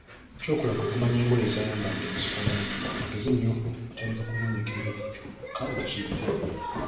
ky’okola kwekumanya engoye z’ayambadde bwe zifaanana, katugeze myufu, otandika kunoonya kimyufu kyokka weekiri.